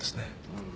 うん。